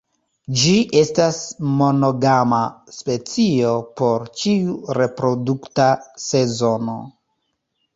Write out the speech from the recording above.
Ĝi estas monogama specio por ĉiu reprodukta sezono.